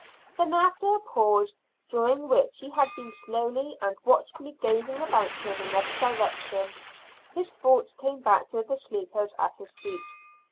Then after a pause, during which he had been slowly and watchfully gazing about him in every direction, his thoughts came back to the sleepers at his feet.